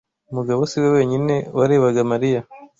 Mugabo si we wenyine warebaga Mariya.